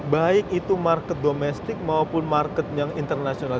baik itu market domestik maupun market yang internasional